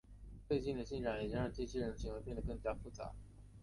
最近的进展已经让机器人的行为变成更加复杂。